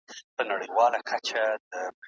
مثبت فکر مو له نا امیدۍ لري ساتي.